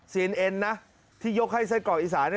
เอ็นนะที่ยกให้ไส้กรอกอีสาน